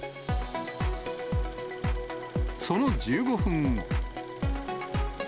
その１５分後。